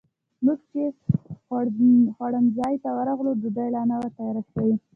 موږ چې خوړنځای ته ورغلو، ډوډۍ لا نه وه تیاره شوې.